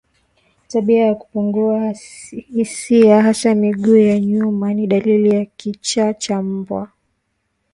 Tabia ya kupungua hisia hasa miguu ya nyuma ni dalili ya kichaa cha mbwa